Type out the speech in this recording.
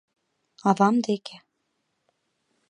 — Авам деке!